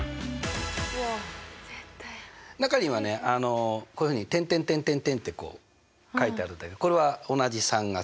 中にはねこういうふうに「」って書いてあるんだけどこれは同じ３が続く。